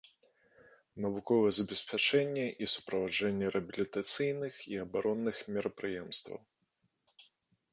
Навуковае забеспячэнне і суправаджэнне рэабілітацыйных і абаронных мерапрыемстваў.